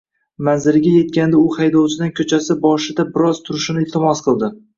Manziliga etganida u haydovchidan ko`chasi boshida biroz turishini iltimos qildi